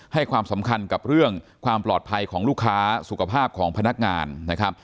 ให้ความสำคัญกับเรื่องความปลอดภัยของลูกค้าสุขภาพของพนักงานนะครับ